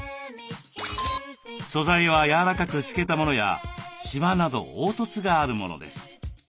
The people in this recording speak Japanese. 素材は柔らかく透けたものやシワなど凹凸があるものです。